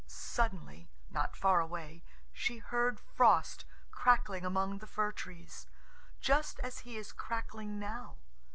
Suddenly, not far away, she heard Frost crackling among the fir trees, just as he is crackling now.